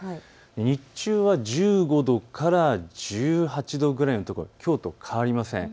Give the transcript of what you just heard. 日中は１５度から１８度ぐらいのところ、きょうと変わりありません。